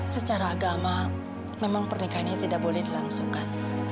secara agama memang pernikahan ini tidak boleh dilangsungkan